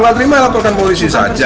kalau gak terima laporkan ke polisi saja